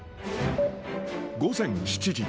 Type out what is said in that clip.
午前７時。